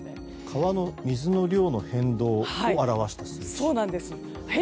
川の水の量の変動を表した数値。